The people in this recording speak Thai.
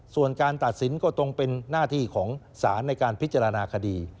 ส่วนการตัดสินก็ตรงเป็นหน้าที่ของศาลในการพิจารณาคดี